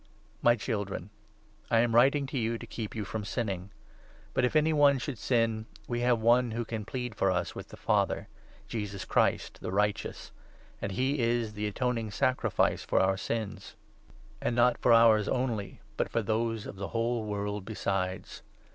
My Children, I am writing to you to keep you from sinning ; i 2 but if any one should sin, we have one who can plead for us with the Father — Jesus Christ, the Righteous — and he is the 2 atoning sacrifice for our sins, and not for ours only, but for 478 I. JOHN, 2. those of the whole world besides.